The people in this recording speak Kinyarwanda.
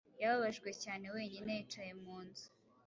Yababajwe cyane, wenyine yicaye mu nzu,